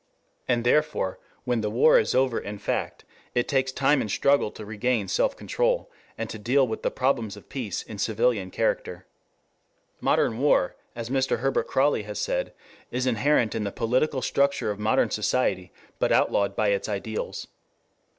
And therefore, when the war is over in fact, it takes time and struggle to regain self control, and to deal with the problems of peace in civilian character. Modern war, as Mr. Herbert Croly has said, is inherent in the political structure of modern society, but outlawed by its ideals.